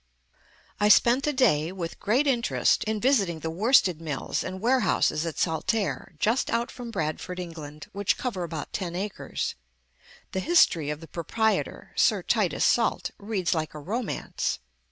I spent a day, with great interest, in visiting the worsted mills and warehouses at Saltaire, just out from Bradford, England, which cover about ten acres. The history of the proprietor, Sir Titus Salt, reads like a romance.